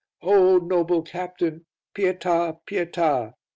O noble captain! Pieta, pieta!"